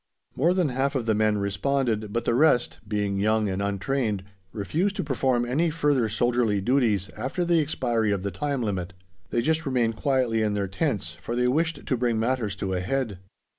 More than half of the men responded, but the rest, being young and untrained, refused to perform any further soldierly duties after the expiry of the time limit; they just remained quietly in their tents, for they wished to bring matters to a head.